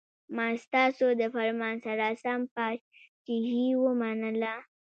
ما ستاسو د فرمان سره سم پاچهي ومنله.